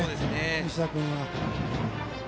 西田君は。